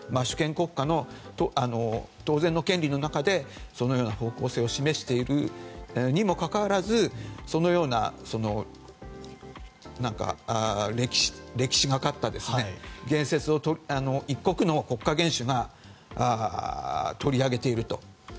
主権国家の当然の権利の中でそのような方向性を示しているにもかかわらずそのような歴史がかった言説をとった一国の国家元首が取り上げていると。